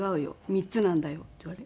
３つなんだよ」って言われて。